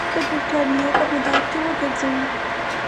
د برټانیې په مدار کې وګرځوي.